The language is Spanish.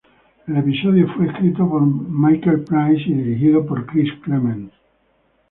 El episodio fue escrito por Michael Price y dirigido por Chris Clements.